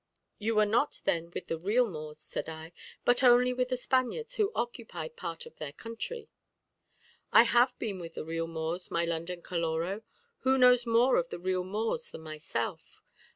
"You were not then with the real Moors," said I, "but only with the Spaniards who occupied part of their country." "I have been with the real Moors, my London Caloró. Who knows more of the real Moors than myself?